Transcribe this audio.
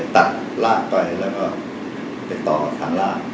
ตัดลากไปแล้วก็ติดต่อทางลาก